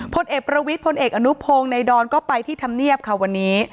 พลเอกประวิทย์พลเอกอนุพงศ์ในดอนก็ไปที่ธรรมเนียบค่ะวันนี้